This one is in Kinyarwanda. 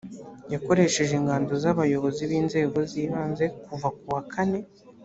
yakoresheje ingando z abayobozi b inzego z ibanze kuva ku wa kane